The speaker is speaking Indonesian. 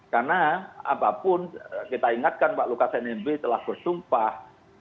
karena apapun kita ingatkan pak lukas nmp telah bersumpah